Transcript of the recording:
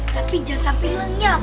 tapi jangan sampai lenyap